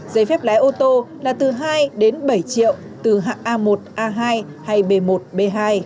giấy phép lái ô tô là từ hai đến bảy triệu từ hạng a một a hai hay b một b hai